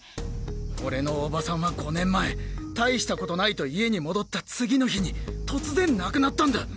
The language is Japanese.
俺のおばさんは５年前大したことないと家に戻った次の日に突然亡くなったんだ。